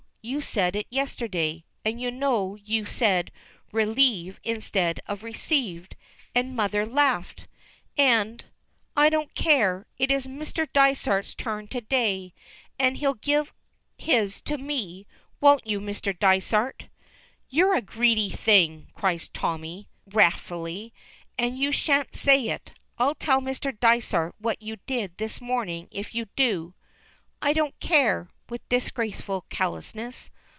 You said it yesterday. And you know you said 'relieve' instead of 'received,' and mother laughed, and " "I don't care. It is Mr. Dysart's turn to day, and he'll give his to me; won't you, Mr. Dysart?" "You're a greedy thing," cries Tommy, wrathfully, "and you shan't say it. I'll tell Mr. Dysart what you did this morning if you do." "I don't care," with disgraceful callousness.